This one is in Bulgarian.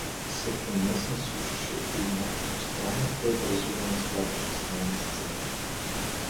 Всеки унесен слушаше и някакво странно преобразуване ставаше с нея на сцената.